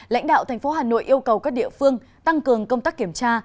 lãnh đạo thành phố hà nội yêu cầu các địa phương tăng cường công tác kiểm tra